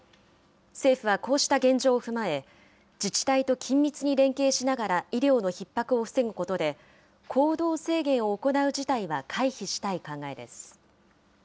政府はこうした現状を踏まえ、自治体と緊密に連携しながら医療のひっ迫を防ぐことで、行動制限を行う事態は回避したい考えです。